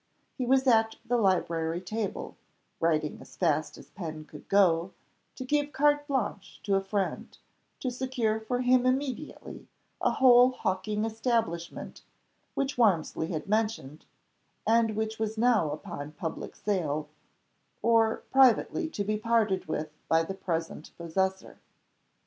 He was at the library table, writing as fast as pen could go, to give carte blanche to a friend, to secure for him immediately a whole hawking establishment which Warmsley had mentioned, and which was now upon public sale, or privately to be parted with by the present possessor.